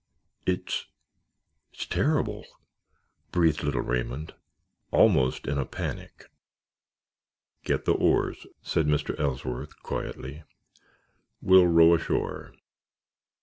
"It's—it's terrible," breathed little Raymond, almost in a panic. "Get the oars," said Mr. Ellsworth, quietly. "We'll row ashore.